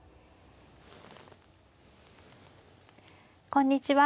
こんにちは。